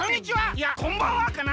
いやこんばんはかな。